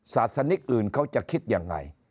ศาสนิกอื่นเขาจะคิดยังไง